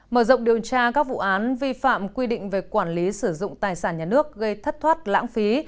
mở rộng điều tra các vụ án vi phạm quy định về quản lý sử dụng tài sản nhà nước gây thất thoát lãng phí